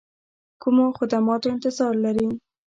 کومو خدماتو انتظار لري.